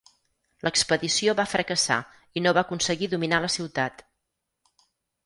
L'expedició va fracassar i no va aconseguir dominar la ciutat.